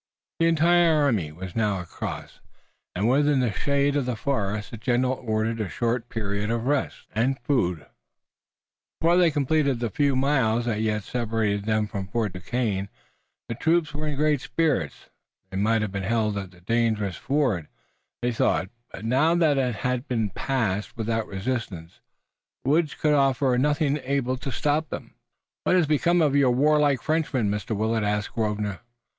The entire army was now across, and, within the shade of the forest, the general ordered a short period for rest and food, before they completed the few miles that yet separated them from Fort Duquesne. The troops were in great spirits. They might have been held at the dangerous ford, they thought, but now that it had been passed without resistance the woods could offer nothing able to stop them. "What has become of your warlike Frenchmen, Mr. Willet?" asked Grosvenor.